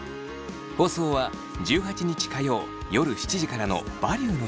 放送は１８日火曜夜７時からの「バリューの真実」で。